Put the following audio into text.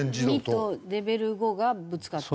２とレベル５がぶつかったら。